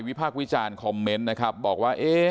พากษ์วิจารณ์คอมเมนต์นะครับบอกว่า